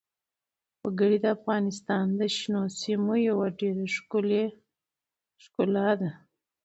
وګړي د افغانستان د شنو سیمو یوه ډېره ښکلې ښکلا ده.